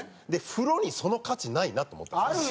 風呂にその価値ないなと思ったんですよ